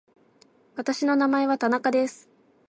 私の名前は田中です。